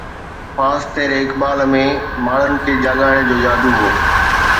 پاس تيري اقبال ۾ ماڻهن کي جاڳائڻ جو جادو هو